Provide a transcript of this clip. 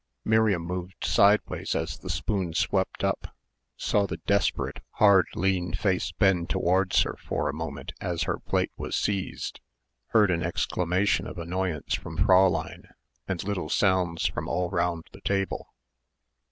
Miriam moved sideways as the spoon swept up, saw the desperate hard, lean face bend towards her for a moment as her plate was seized, heard an exclamation of annoyance from Fräulein and little sounds from all round the table.